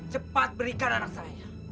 cepat berikan anak saya